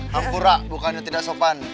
hampura bukannya tidak sopan